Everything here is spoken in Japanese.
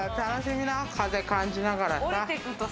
風感じながらさ。